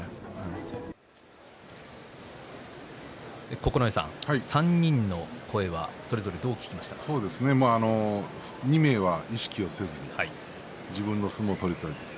九重さん３人の声はそれぞれ２名は意識をせずに自分の相撲を取りたい。